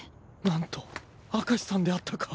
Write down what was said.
何と明石さんであったか。